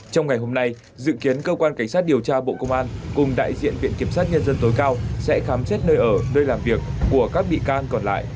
trong ngày hôm nay dự kiến cơ quan cảnh sát điều tra bộ công an cùng đại diện viện kiểm sát nhân dân tối cao sẽ khám xét nơi ở nơi làm việc của các bị can còn lại